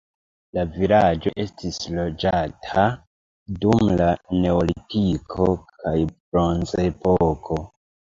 La vilaĝo estis loĝata dum la neolitiko kaj bronzepoko.